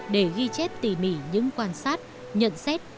để ghi chép tỉ mỉ những quan sát nhận xét